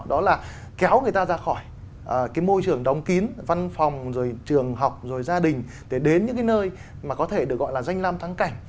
đó là kéo người ta ra khỏi cái môi trường đóng kín văn phòng rồi trường học rồi gia đình để đến những cái nơi mà có thể được gọi là danh lam thắng cảnh